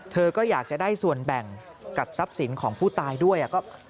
เธอก็อยากจะได้ส่วนแบ่งกับทรัพย์สินของผู้ตายด้วย